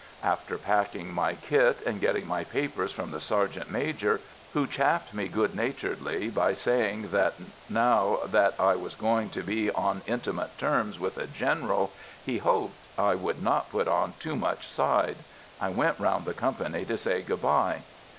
After packing my kit and getting my papers from the sergeant major, who chaffed me good naturedly by saying that now that I was going to be on intimate terms with a general, he hoped I would not put on too much "side," I went round the company to say good bye.